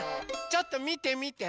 ちょっとみてみて。